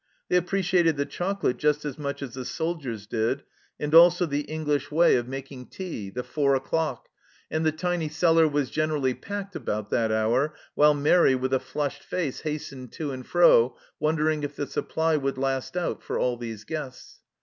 They appreciated the chocolate just as much as the soldiers did, and also the English way of making THE CELLAR HOUSE 135 tea, " the four o'clock," and the tiny cellar was generally packed about that hour, while Mairi, with a flushed face, hastened to and fro, wondering if the supply would last out for all these guests.